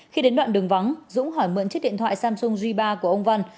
khi đến đoạn đường vắng dũng hỏi mượn chiếc điện thoại samsung g ba của ông văn